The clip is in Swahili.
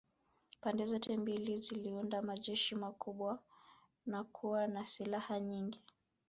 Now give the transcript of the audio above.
Pande zote mbili ziliunda majeshi makubwa na kuwa na silaha nyingi